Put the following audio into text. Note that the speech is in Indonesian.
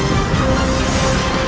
kau tidak bisa menang